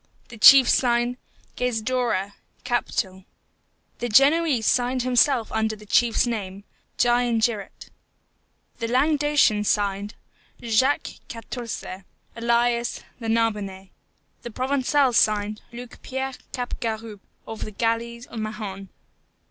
The chief signed, GAIZDORRA: Captal. The Genoese signed himself under the chief's name. GIANGIRATE. The Languedocian signed, JACQUES QUARTOURZE: alias, the Narbonnais. The Provençal signed, LUC PIERRE CAPGAROUPE, of the Galleys of Mahon.